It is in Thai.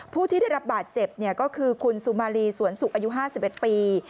ผู้ที่ได้รับบาดเจ็บก็คือคุณสุมารีสวนสุกอายุ๕๑ปี